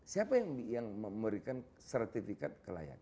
siapa yang memberikan sertifikat kelayakan